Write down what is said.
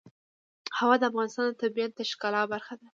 هوا د افغانستان د طبیعت د ښکلا برخه ده.